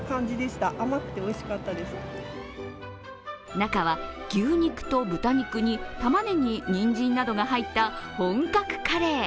中は牛肉と豚肉にたまねぎ、にんじんなどが入った本格カレー。